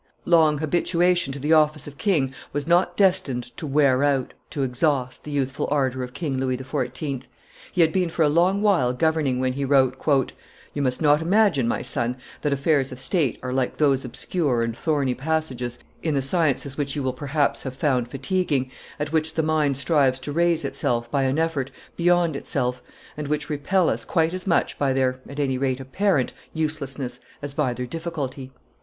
Long habituation to the office of king was not destined to wear out, to exhaust, the youthful ardor of King Louis XIV. He had been for a long while governing, when he wrote, "You must not imagine, my son, that affairs of state are like those obscure and thorny passages in the sciences which you will perhaps have found fatiguing, at which the mind strives to raise itself, by an effort, beyond itself, and which repel us quite as much by their, at any rate apparent, uselessness as by their difficulty.